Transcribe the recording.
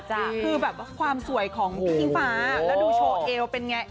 คือแบบว่าความสวยของพี่อิงฟ้าแล้วดูโชว์เอลเป็นไง